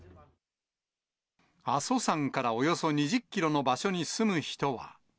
阿蘇山からおよそ２０キロの場所に住む人は。